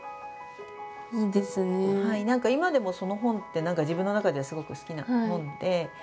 何か今でもその本って自分の中ではすごく好きな本で。